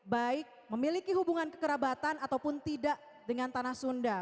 baik memiliki hubungan kekerabatan ataupun tidak dengan tanah sunda